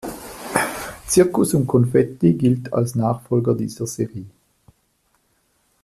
Zirkus um Confetti gilt als Nachfolger dieser Serie.